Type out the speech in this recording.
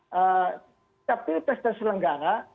ketika pilpres terselenggara